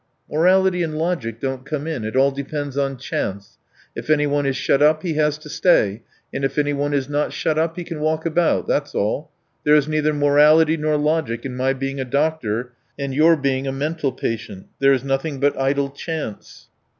"Morality and logic don't come in, it all depends on chance. If anyone is shut up he has to stay, and if anyone is not shut up he can walk about, that's all. There is neither morality nor logic in my being a doctor and your being a mental patient, there is nothing but idle chance."